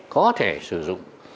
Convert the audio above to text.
có thể sử dụng